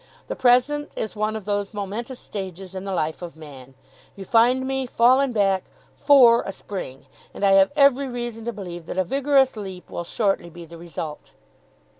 The present is one of those momentous stages in the life of man. You find me, fallen back, FOR a spring; and I have every reason to believe that a vigorous leap will shortly be the result.